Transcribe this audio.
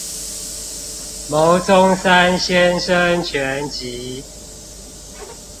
牟宗三先生全集